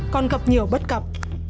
còn gặp nhiều bất cập